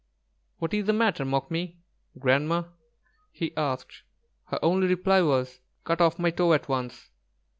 "What is the matter, 'Mookmee' [Grandma]?" he asked. Her only reply was: "Cut off my toe at once."